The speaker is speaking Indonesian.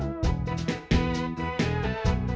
eu anju arah kayanya